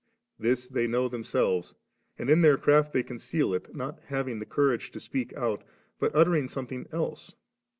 • This they know themselves, and in their craft they conceal it, not having the courage to speak out, but uttering something else 5.